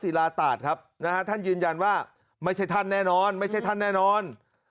ศิลาตาศครับนะฮะท่านยืนยันว่าไม่ใช่ท่านแน่นอนไม่ใช่ท่านแน่นอน